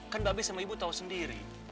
kan mbak be sama ibu tahu sendiri